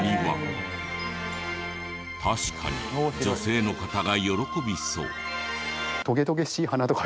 確かに女性の方が喜びそう。